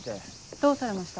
どうされました？